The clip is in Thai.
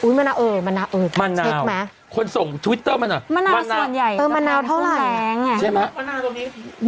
อุ๊ยมะนาวเออกดเช็คไหมมะนาวคนส่งทวิตเตอร์มันน่ะมะนาว